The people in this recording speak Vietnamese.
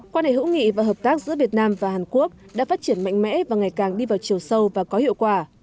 quan hệ hữu nghị và hợp tác giữa việt nam và hàn quốc đã phát triển mạnh mẽ và ngày càng đi vào chiều sâu và có hiệu quả